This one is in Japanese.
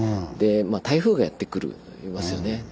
で台風がやって来ますよね。